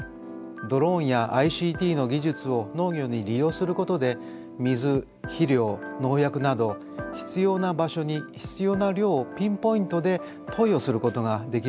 ドローンやＩＣＴの技術を農業に利用することで水肥料農薬など必要な場所に必要な量をピンポイントで投与することができるわけなんです。